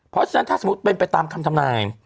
เพราะฉะนั้นถ้าสมมุติเป็นไปตามคำทำนาย